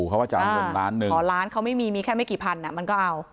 ขอล้านเขาไม่มีมีแค่ไม่กี่พันอ่ะมันก็เอา